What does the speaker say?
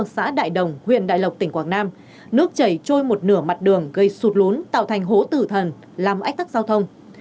xã đại đồng huyện đại lộc tỉnh quảng nam nước chảy trôi một nửa mặt đường gây sụt lún tạo thành hố tử thần làm ách tắc giao thông